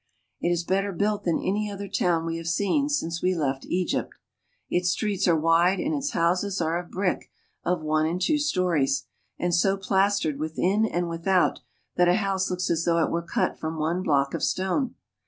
It is better built than any other town we have seen since we left Egypt. Its streets are wide and its houses are of brick of one and two stories, and so plastered within and without that a house looks as though it were cut from one block of stone.